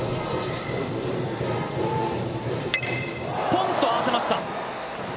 ぽんと合わせました。